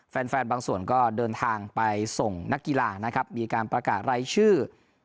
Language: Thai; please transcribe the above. แฟนบางส่วนก็เดินทางไปส่งนักกีฬานะครับมีการประกาศรายชื่อ